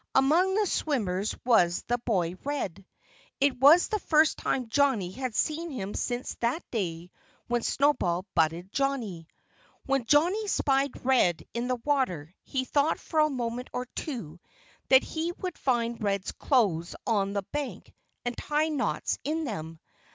Among the swimmers was the boy Red. It was the first time Johnnie had seen him since that day when Snowball butted Johnnie. When Johnnie spied Red in the water he thought for a moment or two that he would find Red's clothes on the bank and tie knots in them.